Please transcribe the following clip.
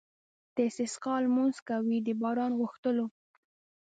د استسقا لمونځ کوي د باران غوښتلو.